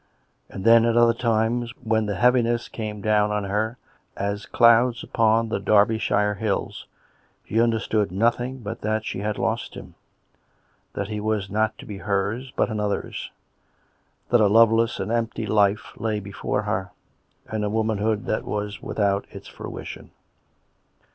... And then, at other times, when the heaviness came down on her, as clouds upon the Derbyshire hills, she understood nothing but that she had lost him ; that he was not to be hers, but Ajiother's ; that a loveless and empty life lay before her, and a womanhood that was without its fruition.